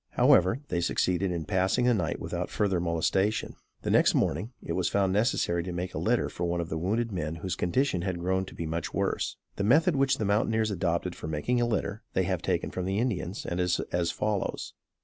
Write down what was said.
However, they succeeded in passing the night without further molestation. The next morning, it was found necessary to make a litter for one of the wounded men whose condition had grown to be much worse. The method which the mountaineers adopt for making a litter, they have taken from the Indians, and is as follows.